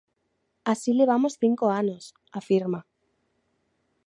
Así levamos cinco anos, afirma.